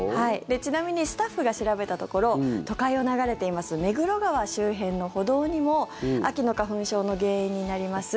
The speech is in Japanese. ちなみにスタッフが調べたところ都会を流れています目黒川周辺の歩道にも秋の花粉症の原因になります